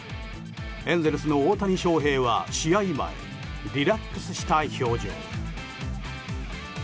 エンゼルスの大谷翔平は試合前リラックスした表情。